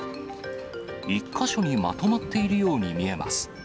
１か所にまとまっているように見えます。